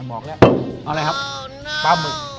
อ๋อหมอนี่อยากบอก